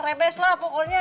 rebes lah pokoknya